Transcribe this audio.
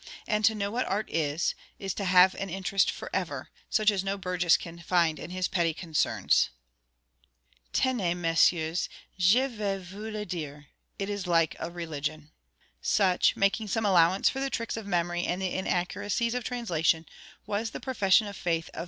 And to know what art is, is to have an interest for ever, such as no burgess can find in his petty concerns. Tenez, messieurs, je vais vous le dire—it is like a religion.' Such, making some allowance for the tricks of memory and the inaccuracies of translation, was the profession of faith of M.